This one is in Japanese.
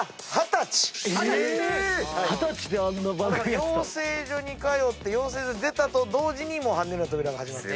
養成所に通って養成所を出たと同時に『はねるのトびら』が始まった。